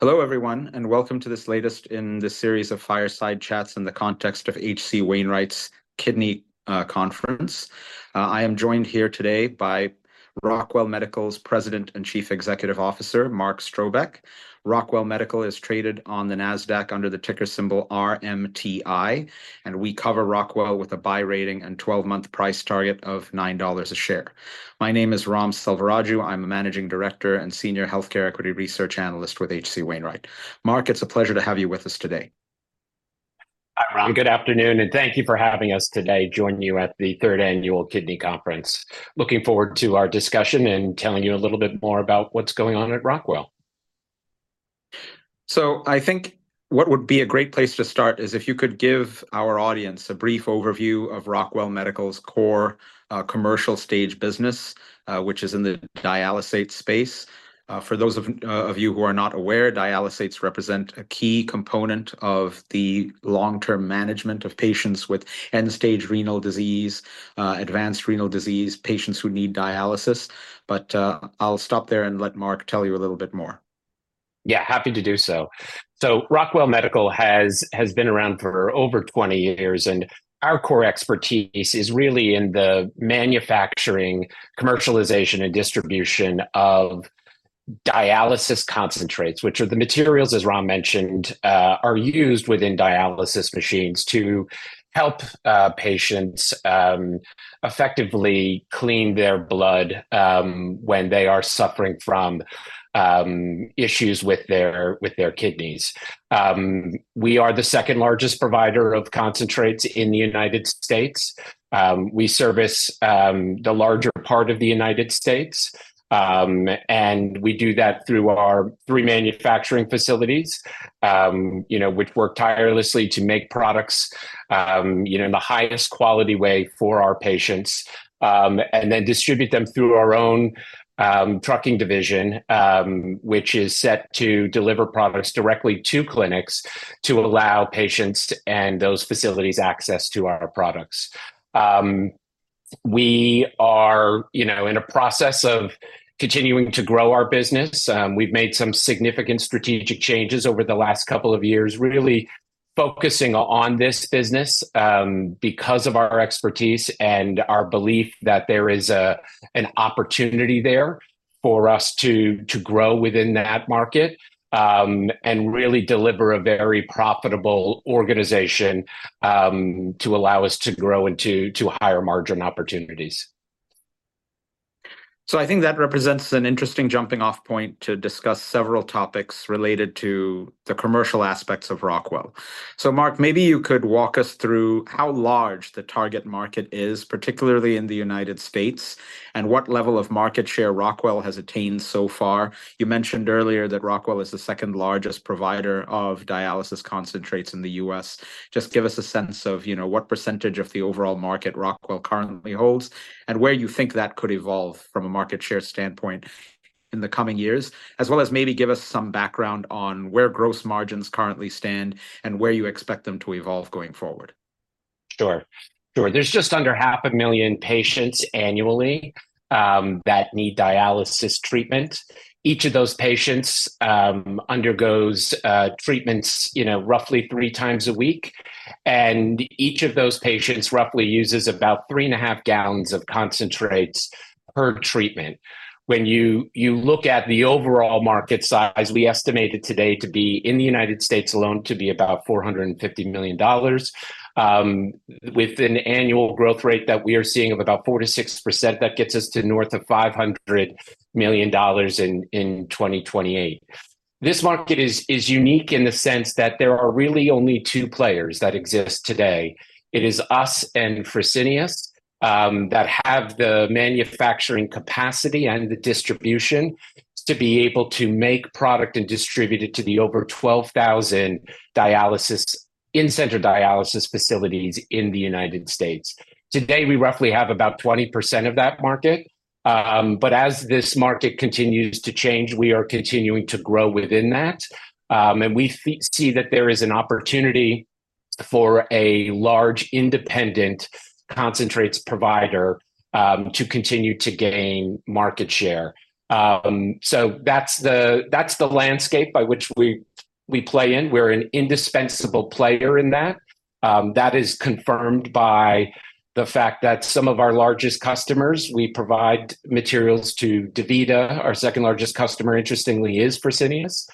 Hello, everyone, and welcome to this latest in the series of Fireside Chats in the context of H.C. Wainwright's Kidney Conference. I am joined here today by Rockwell Medical's President and Chief Executive Officer, Mark Strobeck. Rockwell Medical is traded on the Nasdaq under the ticker symbol RMTI, and we cover Rockwell with a buy rating and 12-month price target of $9 a share. My name is Ram Selvaraju. I'm a Managing Director and Senior Healthcare Equity Research Analyst with H.C. Wainwright. Mark, it's a pleasure to have you with us today. Hi, Ram. Good afternoon, and thank you for having us today, joining you at the third annual Kidney Conference. Looking forward to our discussion and telling you a little bit more about what's going on at Rockwell. So I think what would be a great place to start is if you could give our audience a brief overview of Rockwell Medical's core commercial stage business, which is in the dialysate space. For those of you who are not aware, dialysates represent a key component of the long-term management of patients with end-stage renal disease, advanced renal disease, patients who need dialysis. But I'll stop there and let Mark tell you a little bit more. Yeah, happy to do so. So Rockwell Medical has been around for over 20 years, and our core expertise is really in the manufacturing, commercialization, and distribution of dialysis concentrates, which are the materials, as Ram mentioned, are used within dialysis machines to help patients effectively clean their blood when they are suffering from issues with their kidneys. We are the second-largest provider of concentrates in the United States. We service the larger part of the United States, and we do that through our three manufacturing facilities, you know, which work tirelessly to make products, you know, in the highest quality way for our patients, and then distribute them through our own trucking division, which is set to deliver products directly to clinics to allow patients and those facilities access to our products. We are, you know, in a process of continuing to grow our business. We've made some significant strategic changes over the last couple of years, really focusing on this business, because of our expertise and our belief that there is an opportunity there for us to grow within that market, and really deliver a very profitable organization, to allow us to grow into higher margin opportunities. So I think that represents an interesting jumping-off point to discuss several topics related to the commercial aspects of Rockwell. So Mark, maybe you could walk us through how large the target market is, particularly in the United States, and what level of market share Rockwell has attained so far. You mentioned earlier that Rockwell is the second-largest provider of dialysis concentrates in the US. Just give us a sense of, you know, what percentage of the overall market Rockwell currently holds and where you think that could evolve from a market share standpoint in the coming years, as well as maybe give us some background on where gross margins currently stand and where you expect them to evolve going forward. Sure, sure. There's just under 500,000 patients annually that need dialysis treatment. Each of those patients undergoes treatments, you know, roughly three times a week, and each of those patients roughly uses about three and a half gallons of concentrates per treatment. When you look at the overall market size, we estimate it today to be, in the United States alone, to be about $450 million, with an annual growth rate that we are seeing of about 4%-6%, that gets us to north of $500 million in 2028. This market is unique in the sense that there are really only two players that exist today. It is us and Fresenius that have the manufacturing capacity and the distribution to be able to make product and distribute it to the over 12,000 dialysis, in-center dialysis facilities in the United States. Today, we roughly have about 20% of that market, but as this market continues to change, we are continuing to grow within that. And we see that there is an opportunity for a large, independent concentrates provider to continue to gain market share. So that's the, that's the landscape by which we, we play in. We're an indispensable player in that. That is confirmed by the fact that some of our largest customers, we provide materials to DaVita. Our second-largest customer, interestingly, is Fresenius.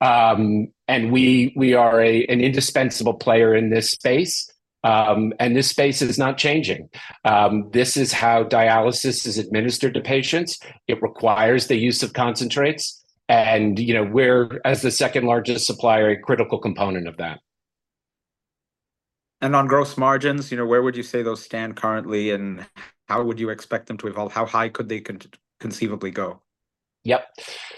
And we, we are a, an indispensable player in this space, and this space is not changing. This is how dialysis is administered to patients. It requires the use of concentrates, and, you know, we're, as the second-largest supplier, a critical component of that. On gross margins, you know, where would you say those stand currently, and how would you expect them to evolve? How high could they conceivably go? Yep.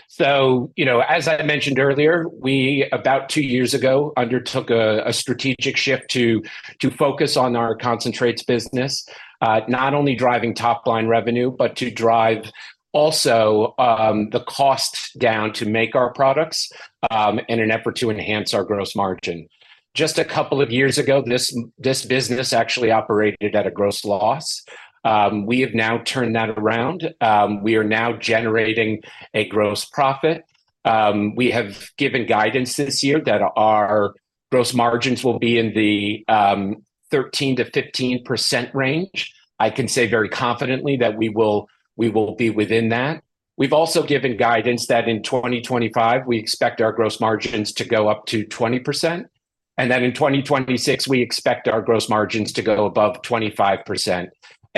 So, you know, as I mentioned earlier, we, about two years ago, undertook a strategic shift to focus on our concentrates business, not only driving top-line revenue, but to drive also the cost down to make our products, in an effort to enhance our gross margin. Just a couple of years ago, this business actually operated at a gross loss. We have now turned that around. We are now generating a gross profit. We have given guidance this year that our gross margins will be in the 13%-15% range. I can say very confidently that we will be within that. We've also given guidance that in 2025, we expect our gross margins to go up to 20%, and that in 2026, we expect our gross margins to go above 25%.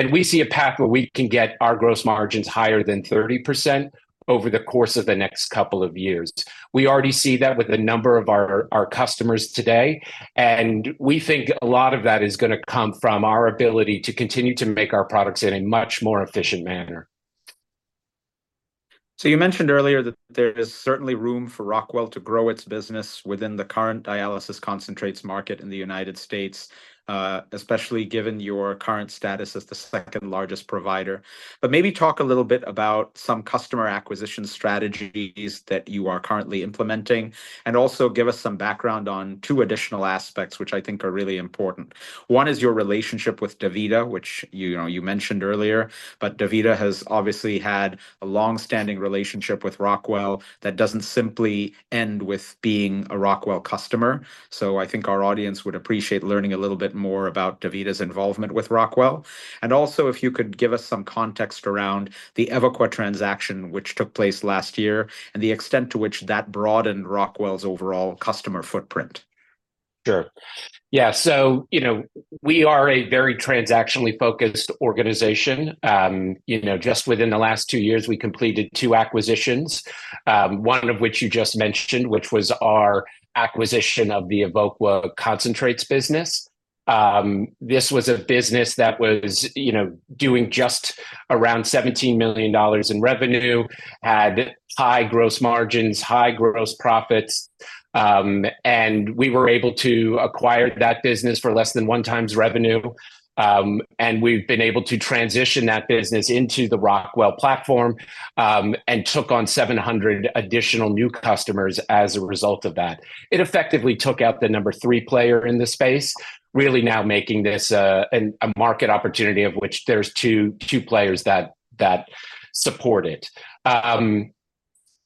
We see a path where we can get our gross margins higher than 30% over the course of the next couple of years. We already see that with a number of our customers today, and we think a lot of that is gonna come from our ability to continue to make our products in a much more efficient manner. So you mentioned earlier that there is certainly room for Rockwell to grow its business within the current dialysis concentrates market in the United States, especially given your current status as the second largest provider. But maybe talk a little bit about some customer acquisition strategies that you are currently implementing, and also give us some background on two additional aspects, which I think are really important. One is your relationship with DaVita, which, you know, you mentioned earlier, but DaVita has obviously had a long-standing relationship with Rockwell that doesn't simply end with being a Rockwell customer. So I think our audience would appreciate learning a little bit more about DaVita's involvement with Rockwell. And also, if you could give us some context around the Evoqua transaction, which took place last year, and the extent to which that broadened Rockwell's overall customer footprint. Sure. Yeah, so, you know, we are a very transactionally focused organization. You know, just within the last 2 years, we completed 2 acquisitions, one of which you just mentioned, which was our acquisition of the Evoqua concentrates business. This was a business that was, you know, doing just around $17 million in revenue, had high gross margins, high gross profits. And we were able to acquire that business for less than 1x revenue. And we've been able to transition that business into the Rockwell platform, and took on 700 additional new customers as a result of that. It effectively took out the number 3 player in the space, really now making this a market opportunity of which there's 2 players that support it.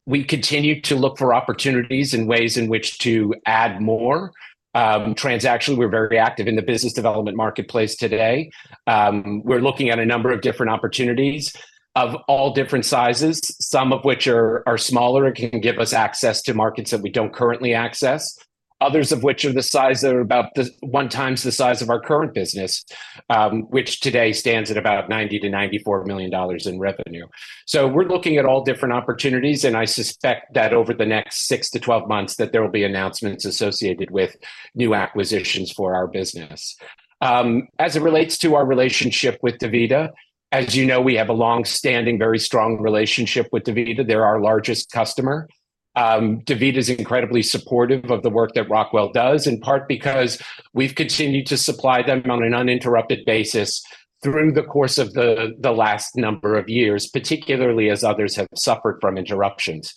We continue to look for opportunities and ways in which to add more. Transactionally, we're very active in the business development marketplace today. We're looking at a number of different opportunities of all different sizes, some of which are smaller and can give us access to markets that we don't currently access, others of which are the size that are about 1x the size of our current business, which today stands at about $90-$94 million in revenue. So we're looking at all different opportunities, and I suspect that over the next 6-12 months, that there will be announcements associated with new acquisitions for our business. As it relates to our relationship with DaVita, as you know, we have a long-standing, very strong relationship with DaVita. They're our largest customer. DaVita's incredibly supportive of the work that Rockwell does, in part because we've continued to supply them on an uninterrupted basis through the course of the last number of years, particularly as others have suffered from interruptions.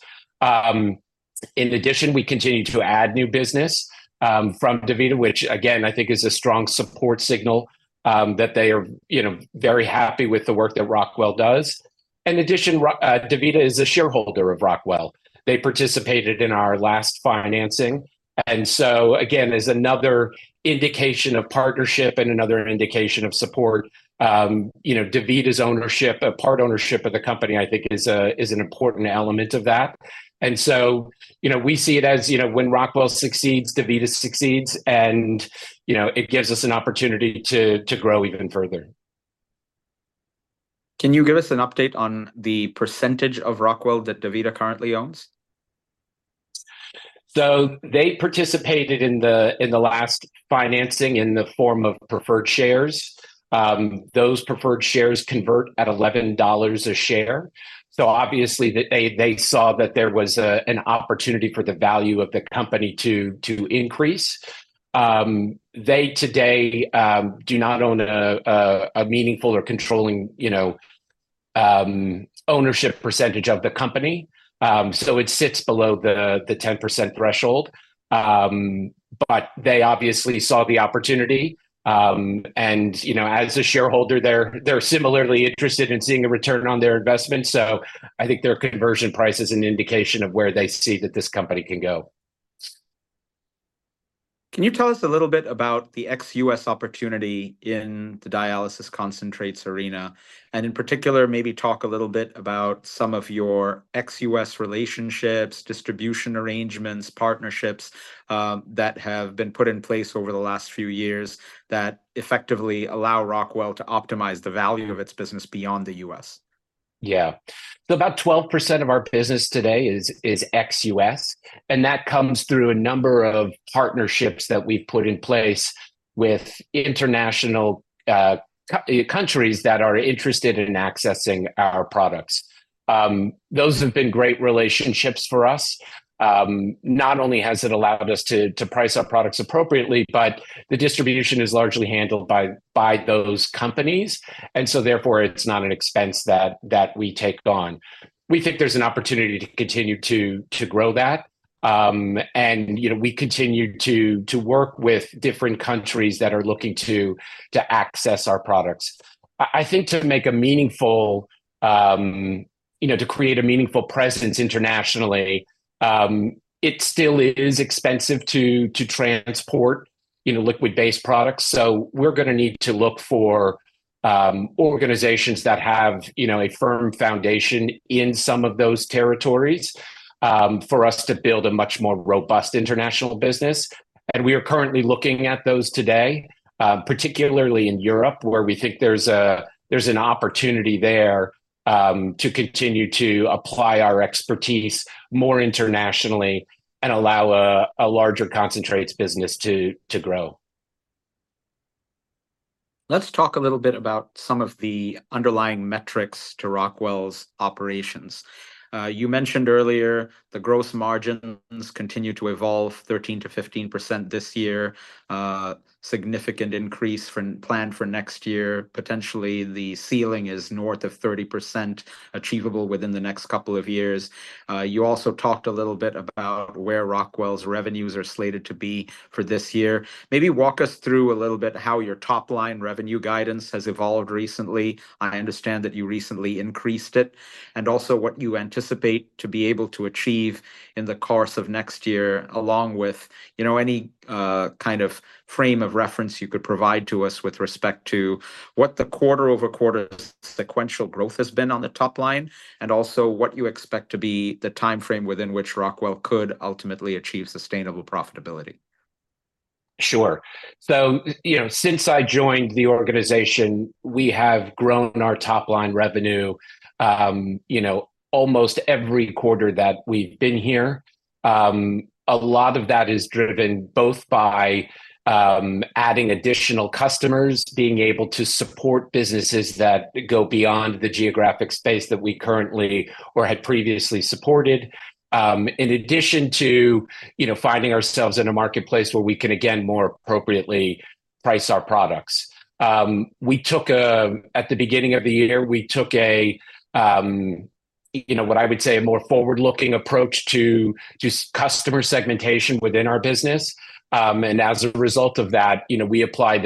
In addition, we continue to add new business from DaVita, which again, I think is a strong support signal that they are, you know, very happy with the work that Rockwell does. In addition, DaVita is a shareholder of Rockwell. They participated in our last financing, and so again, as another indication of partnership and another indication of support, you know, DaVita's ownership, a part ownership of the company, I think is an important element of that. So, you know, we see it as, you know, when Rockwell succeeds, DaVita succeeds, and, you know, it gives us an opportunity to grow even further. Can you give us an update on the percentage of Rockwell that DaVita currently owns? So they participated in the last financing in the form of preferred shares. Those preferred shares convert at $11 a share, so obviously they saw that there was an opportunity for the value of the company to increase. They today do not own a meaningful or controlling, you know, ownership percentage of the company. So it sits below the 10% threshold. But they obviously saw the opportunity, and, you know, as a shareholder, they're similarly interested in seeing a return on their investment, so I think their conversion price is an indication of where they see that this company can go. Can you tell us a little bit about the ex-US opportunity in the dialysis concentrates arena, and in particular, maybe talk a little bit about some of your ex-US relationships, distribution arrangements, partnerships, that have been put in place over the last few years, that effectively allow Rockwell to optimize the value of its business beyond the US? Yeah. So about 12% of our business today is ex-US, and that comes through a number of partnerships that we've put in place with international countries that are interested in accessing our products. Those have been great relationships for us. Not only has it allowed us to price our products appropriately, but the distribution is largely handled by those companies, and so therefore, it's not an expense that we take on. We think there's an opportunity to continue to grow that, and, you know, we continue to work with different countries that are looking to access our products. I think to make a meaningful you know, to create a meaningful presence internationally, it still is expensive to transport, you know, liquid-based products. So we're gonna need to look for organizations that have, you know, a firm foundation in some of those territories for us to build a much more robust international business. We are currently looking at those today, particularly in Europe, where we think there's a, there's an opportunity there to continue to apply our expertise more internationally and allow a, a larger concentrates business to, to grow. Let's talk a little bit about some of the underlying metrics to Rockwell's operations. You mentioned earlier the gross margins continue to evolve 13%-15% this year, significant increase planned for next year. Potentially, the ceiling is north of 30% achievable within the next couple of years. You also talked a little bit about where Rockwell's revenues are slated to be for this year. Maybe walk us through a little bit how your top-line revenue guidance has evolved recently. I understand that you recently increased it, and also what you anticipate to be able to achieve in the course of next year, along with, you know, any kind of frame of reference you could provide to us with respect to what the quarter-over-quarter sequential growth has been on the top line, and also what you expect to be the timeframe within which Rockwell could ultimately achieve sustainable profitability. Sure. So, you know, since I joined the organization, we have grown our top-line revenue, you know, almost every quarter that we've been here. A lot of that is driven both by adding additional customers, being able to support businesses that go beyond the geographic space that we currently or had previously supported, in addition to, you know, finding ourselves in a marketplace where we can, again, more appropriately price our products. At the beginning of the year, we took a, you know, what I would say a more forward-looking approach to just customer segmentation within our business. And as a result of that, you know, we applied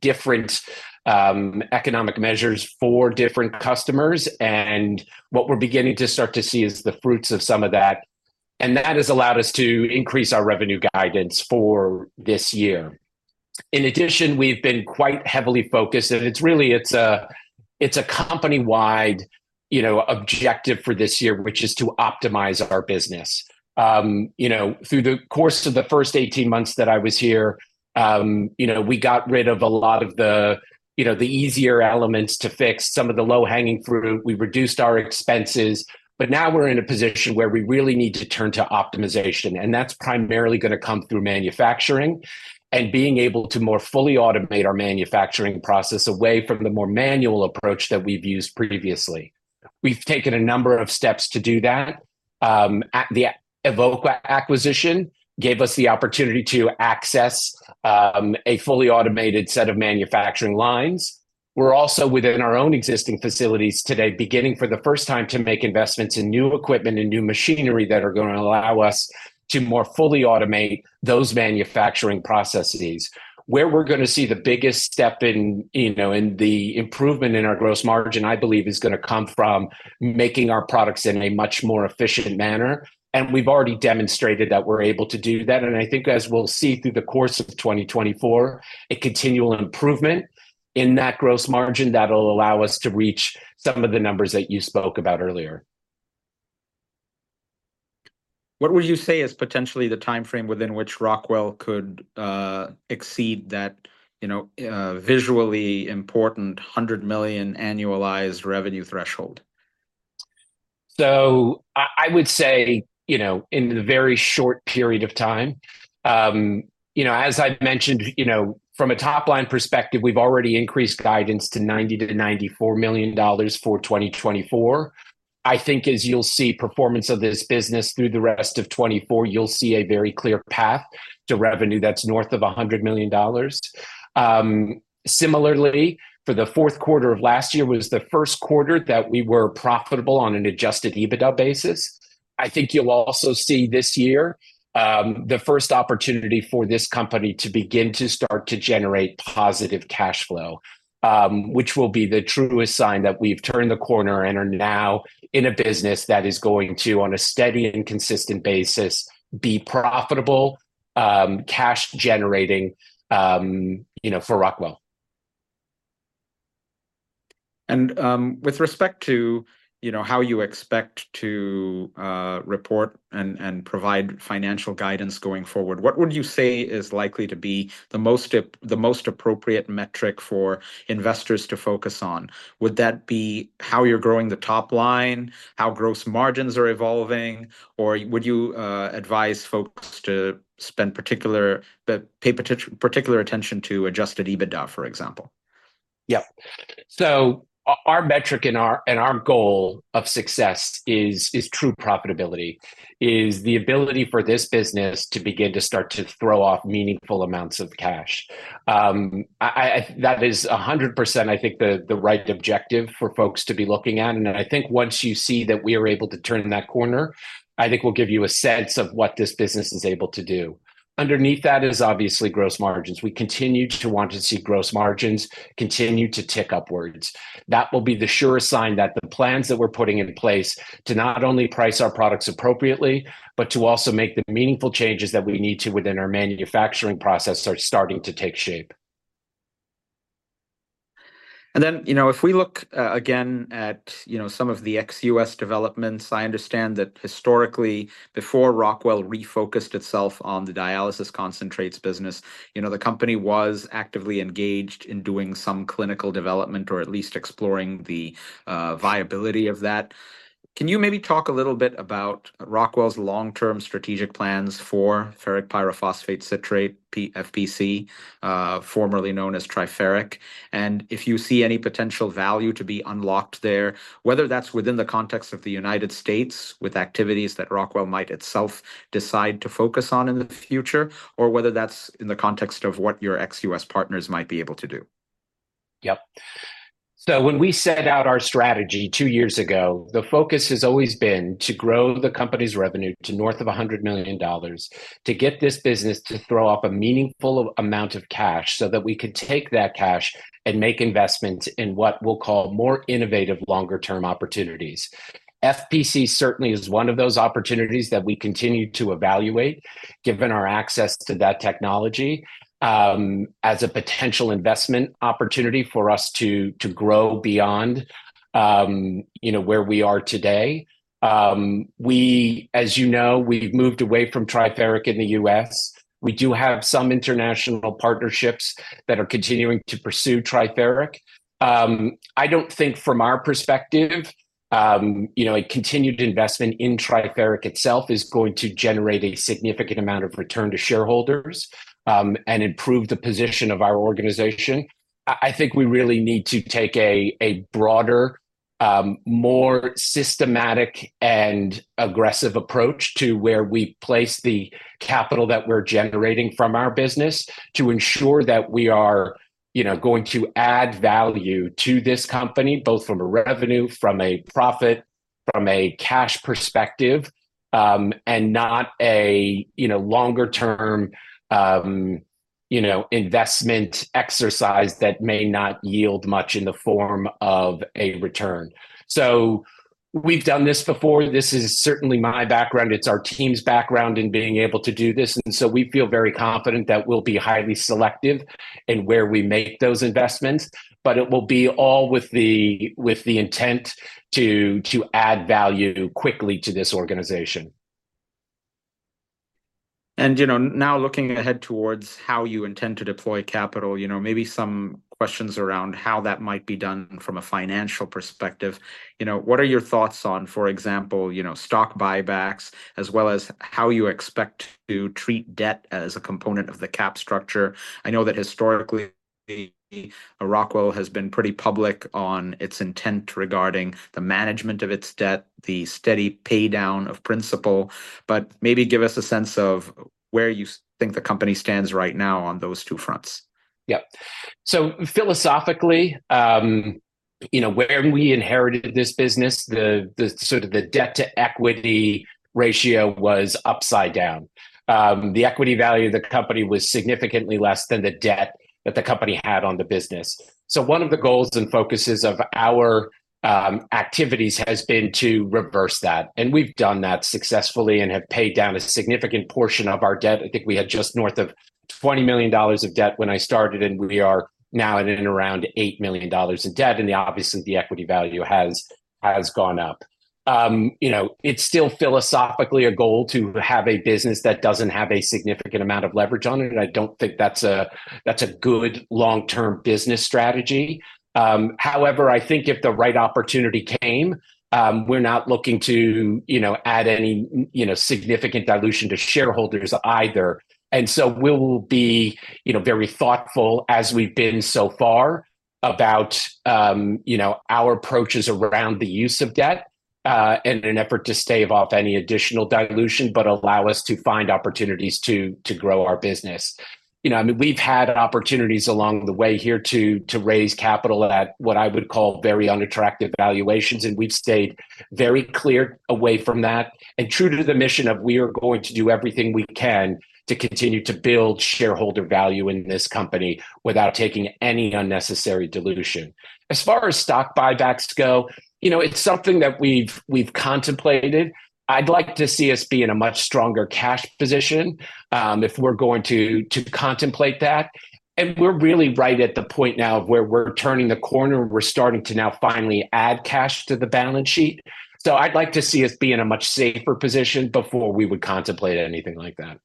different economic measures for different customers, and what we're beginning to start to see is the fruits of some of that, and that has allowed us to increase our revenue guidance for this year. In addition, we've been quite heavily focused, and it's really a company-wide, you know, objective for this year, which is to optimize our business. You know, through the course of the first 18 months that I was here, you know, we got rid of a lot of the, you know, the easier elements to fix, some of the low-hanging fruit. We reduced our expenses, but now we're in a position where we really need to turn to optimization, and that's primarily gonna come through manufacturing and being able to more fully automate our manufacturing process away from the more manual approach that we've used previously. We've taken a number of steps to do that. The Evoqua acquisition gave us the opportunity to access a fully automated set of manufacturing lines. We're also, within our own existing facilities today, beginning for the first time to make investments in new equipment and new machinery that are gonna allow us to more fully automate those manufacturing processes. Where we're gonna see the biggest step in, you know, in the improvement in our gross margin, I believe, is gonna come from making our products in a much more efficient manner, and we've already demonstrated that we're able to do that. I think as we'll see through the course of 2024, a continual improvement in that gross margin that'll allow us to reach some of the numbers that you spoke about earlier. What would you say is potentially the timeframe within which Rockwell could exceed that, you know, visually important $100 million annualized revenue threshold? So I would say, you know, in a very short period of time. You know, as I've mentioned, you know, from a top-line perspective, we've already increased guidance to $90-$94 million for 2024. I think as you'll see performance of this business through the rest of 2024, you'll see a very clear path to revenue that's north of $100 million. Similarly, for the fourth quarter of last year was the first quarter that we were profitable on an Adjusted EBITDA basis. I think you'll also see this year, the first opportunity for this company to begin to start to generate positive cash flow, which will be the truest sign that we've turned the corner and are now in a business that is going to, on a steady and consistent basis, be profitable, cash-generating, you know, for Rockwell. With respect to, you know, how you expect to report and provide financial guidance going forward, what would you say is likely to be the most appropriate metric for investors to focus on? Would that be how you're growing the top line, how gross margins are evolving, or would you advise folks to pay particular attention to Adjusted EBITDA, for example? Yeah. So our metric and our goal of success is true profitability, is the ability for this business to begin to start to throw off meaningful amounts of cash. That is 100%, I think, the right objective for folks to be looking at. And I think once you see that we are able to turn that corner, I think we'll give you a sense of what this business is able to do. Underneath that is obviously gross margins. We continue to want to see gross margins continue to tick upwards. That will be the sure sign that the plans that we're putting into place to not only price our products appropriately, but to also make the meaningful changes that we need to within our manufacturing process are starting to take shape. And then, you know, if we look, again, at, you know, some of the ex-US developments, I understand that historically, before Rockwell refocused itself on the dialysis concentrates business, you know, the company was actively engaged in doing some clinical development, or at least exploring the viability of that. Can you maybe talk a little bit about Rockwell's long-term strategic plans for ferric pyrophosphate citrate, FPC, formerly known as Triferic, and if you see any potential value to be unlocked there, whether that's within the context of the United States, with activities that Rockwell might itself decide to focus on in the future, or whether that's in the context of what your ex-US partners might be able to do? Yep. So when we set out our strategy two years ago, the focus has always been to grow the company's revenue to north of $100 million, to get this business to throw off a meaningful amount of cash, so that we could take that cash and make investments in what we'll call more innovative, longer-term opportunities. FPC certainly is one of those opportunities that we continue to evaluate, given our access to that technology, as a potential investment opportunity for us to grow beyond, you know, where we are today. We, as you know, we've moved away from Triferic in the U.S. We do have some international partnerships that are continuing to pursue Triferic I don't think from our perspective, you know, a continued investment in Triferic itself is going to generate a significant amount of return to shareholders, and improve the position of our organization. I think we really need to take a broader, more systematic and aggressive approach to where we place the capital that we're generating from our business to ensure that we are, you know, going to add value to this company, both from a revenue, from a profit, from a cash perspective, and not a, you know, longer-term, you know, investment exercise that may not yield much in the form of a return. So we've done this before. This is certainly my background. It's our team's background in being able to do this, and so we feel very confident that we'll be highly selective in where we make those investments, but it will be all with the intent to add value quickly to this organization. And, you know, now looking ahead towards how you intend to deploy capital, you know, maybe some questions around how that might be done from a financial perspective. You know, what are your thoughts on, for example, you know, stock buybacks, as well as how you expect to treat debt as a component of the cap structure? I know that historically, Rockwell has been pretty public on its intent regarding the management of its debt, the steady pay-down of principal, but maybe give us a sense of where you think the company stands right now on those two fronts. Yep. So philosophically, you know, when we inherited this business, the sort of debt-to-equity ratio was upside down. The equity value of the company was significantly less than the debt that the company had on the business. So one of the goals and focuses of our activities has been to reverse that, and we've done that successfully and have paid down a significant portion of our debt. I think we had just north of $20 million of debt when I started, and we are now at around $8 million in debt, and obviously, the equity value has gone up. You know, it's still philosophically a goal to have a business that doesn't have a significant amount of leverage on it, and I don't think that's a good long-term business strategy. However, I think if the right opportunity came, we're not looking to, you know, add any, you know, significant dilution to shareholders either. And so we'll be, you know, very thoughtful, as we've been so far, about, you know, our approaches around the use of debt, in an effort to stave off any additional dilution, but allow us to find opportunities to grow our business. You know, I mean, we've had opportunities along the way here to raise capital at what I would call very unattractive valuations, and we've stayed very clear away from that, and true to the mission of we are going to do everything we can to continue to build shareholder value in this company without taking any unnecessary dilution. As far as stock buybacks go, you know, it's something that we've contemplated. I'd like to see us be in a much stronger cash position, if we're going to contemplate that. We're really right at the point now where we're turning the corner. We're starting to now finally add cash to the balance sheet. I'd like to see us be in a much safer position before we would contemplate anything like that.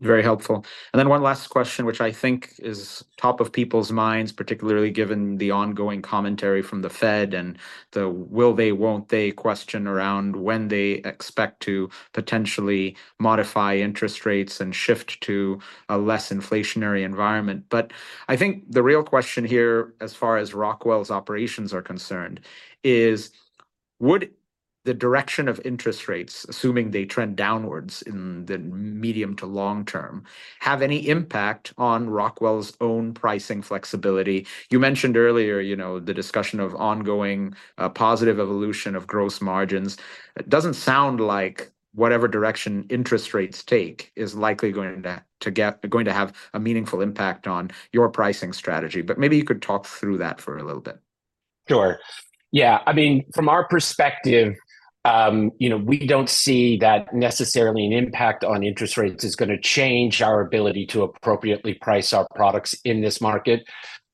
Very helpful. And then one last question, which I think is top of people's minds, particularly given the ongoing commentary from the Fed and the will they, won't they question around when they expect to potentially modify interest rates and shift to a less inflationary environment. But I think the real question here, as far as Rockwell's operations are concerned, is, would the direction of interest rates, assuming they trend downwards in the medium to long term, have any impact on Rockwell's own pricing flexibility? You mentioned earlier, you know, the discussion of ongoing positive evolution of gross margins. It doesn't sound like whatever direction interest rates take is likely going to have a meaningful impact on your pricing strategy, but maybe you could talk through that for a little bit.... Sure. Yeah, I mean, from our perspective, you know, we don't see that necessarily an impact on interest rates is gonna change our ability to appropriately price our products in this market.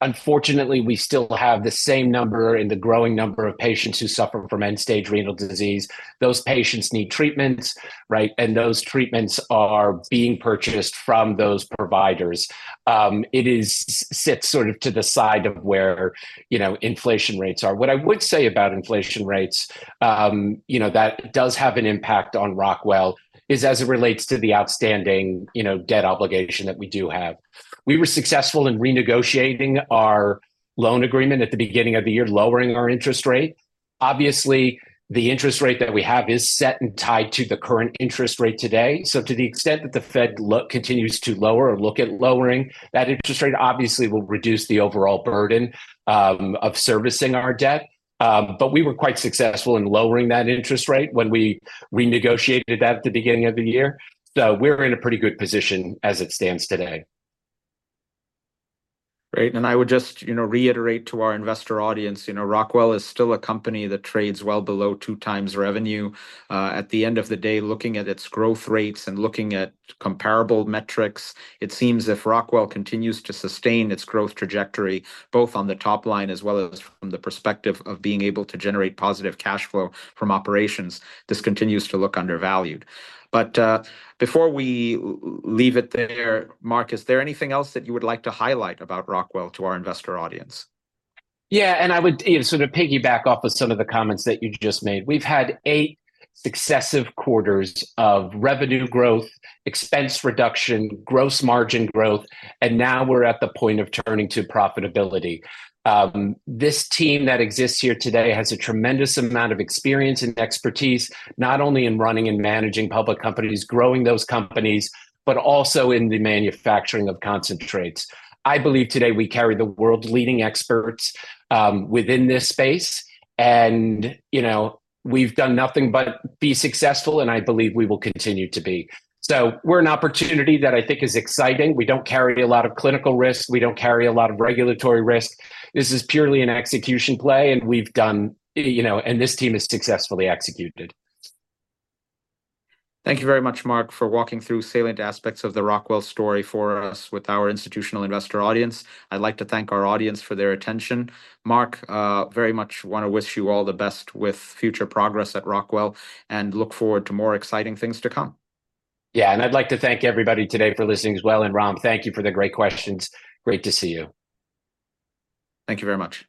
Unfortunately, we still have the same number and the growing number of patients who suffer from end-stage renal disease. Those patients need treatments, right? And those treatments are being purchased from those providers. It sits sort of to the side of where, you know, inflation rates are. What I would say about inflation rates, you know, that does have an impact on Rockwell, is as it relates to the outstanding, you know, debt obligation that we do have. We were successful in renegotiating our loan agreement at the beginning of the year, lowering our interest rate. Obviously, the interest rate that we have is set and tied to the current interest rate today. So to the extent that the Fed continues to lower or look at lowering, that interest rate obviously will reduce the overall burden of servicing our debt. But we were quite successful in lowering that interest rate when we renegotiated that at the beginning of the year. So we're in a pretty good position as it stands today. Great, and I would just, you know, reiterate to our investor audience, you know, Rockwell is still a company that trades well below 2x revenue. At the end of the day, looking at its growth rates and looking at comparable metrics, it seems if Rockwell continues to sustain its growth trajectory, both on the top line as well as from the perspective of being able to generate positive cash flow from operations, this continues to look undervalued. But, before we leave it there, Mark, is there anything else that you would like to highlight about Rockwell to our investor audience? Yeah, and I would, you know, sort of piggyback off of some of the comments that you just made. We've had 8 successive quarters of revenue growth, expense reduction, gross margin growth, and now we're at the point of turning to profitability. This team that exists here today has a tremendous amount of experience and expertise, not only in running and managing public companies, growing those companies, but also in the manufacturing of concentrates. I believe today we carry the world's leading experts within this space, and, you know, we've done nothing but be successful, and I believe we will continue to be. So we're an opportunity that I think is exciting. We don't carry a lot of clinical risk, we don't carry a lot of regulatory risk. This is purely an execution play, and we've done, you know, and this team has successfully executed. Thank you very much, Mark, for walking through salient aspects of the Rockwell story for us with our institutional investor audience. I'd like to thank our audience for their attention. Mark, very much wanna wish you all the best with future progress at Rockwell, and look forward to more exciting things to come. Yeah, and I'd like to thank everybody today for listening as well, and Ram, thank you for the great questions. Great to see you. Thank you very much.